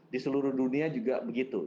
di seluruh dunia juga begitu